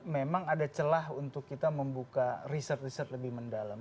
memang ada celah untuk kita membuka riset riset lebih mendalam